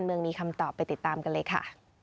เมืองมีคำตอบไปติดตามกันเลยค่ะ